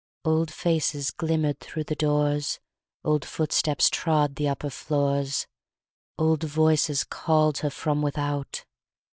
Old faces glimmer'd thro' the doors, Old footsteps trod the upper floors, Old voices call'd her from without.